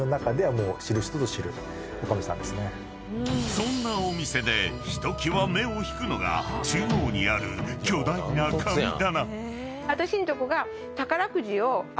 ［そんなお店でひときわ目を引くのが中央にある巨大な神棚］